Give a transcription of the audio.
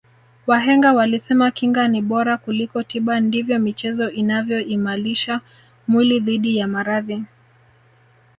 wahenga walisema kinga ni bora kuliko tiba ndivyo michezo inavyoimalisha mwili dhidi ya maradhi